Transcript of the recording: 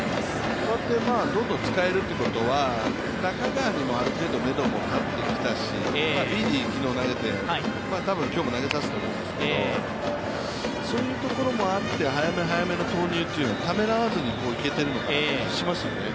こうやってどんどん使えるということは中川にもめども立ってきたし、ビーディ機能投げて多分今日も投げさせると思うんですけどそういうところもあって、早め早めの投入っていうのをためらわずにいけてるのかなという気がしますね。